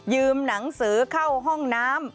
หนังสือเข้าห้องน้ำ